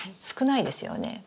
少ないですよね。